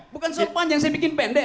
bukan sepanjang saya bikin pendek